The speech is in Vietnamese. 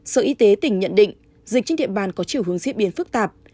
sở y tế tỉnh nhận định dịch trên địa bàn có chiều hướng diễn biến phức tạp